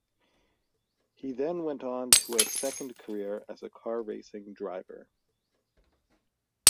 He then went on to a second career as a car racing driver.